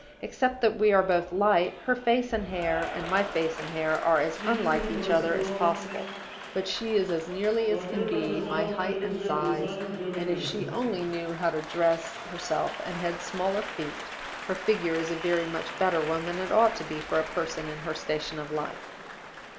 Except that we are both light, her face and hair and my face and hair are as unlike each other as possible. But she is as nearly as can be my height and size; and (if she only knew how to dress herself, and had smaller feet) her figure is a very much better one than it ought to be for a person in her station in life.